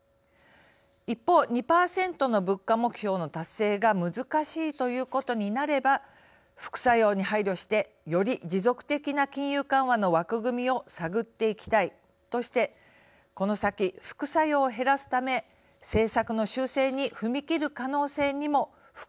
一方２％の物価目標の達成が難しいということになれば「副作用に配慮してより持続的な金融緩和の枠組みを探っていきたい」としてこの先副作用を減らすため政策の修正に踏み切る可能性にも含みを持たせました。